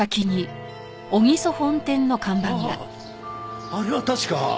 あああれは確か。